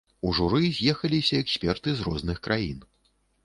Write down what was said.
У журы з'ехаліся эксперты з розных краін.